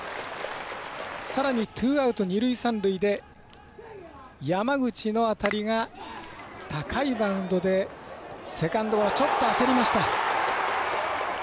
さらにツーアウト、二塁、三塁で山口の当たりが高いバウンドでセカンドはちょっと焦りました。